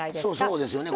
そうですよね。